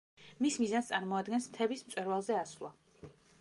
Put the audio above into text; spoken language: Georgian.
მის მიზანს წარმოადგენს მთების მწვერვალზე ასვლა.